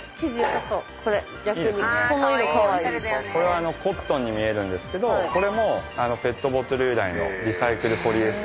これはコットンに見えるんですけどこれもペットボトル由来のリサイクルポリエステルでできてます。